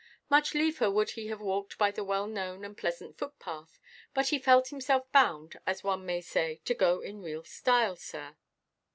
Much liefer would he have walked by the well–known and pleasant footpath, but he felt himself bound, as one may say, to go in real style, sir.